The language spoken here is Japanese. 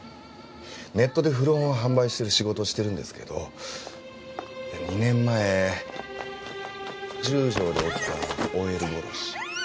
ネットで古本を販売してる仕事をしているんですけど２年前十条で起きたＯＬ殺し。